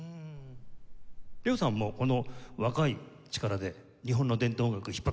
ＬＥＯさんもこの若い力で日本の伝統音楽引っ張ってますよね。